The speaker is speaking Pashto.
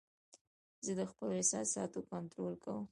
زه د خپلو احساساتو کنټرول کوم.